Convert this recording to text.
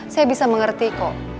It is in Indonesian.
saya bisa mengerti kok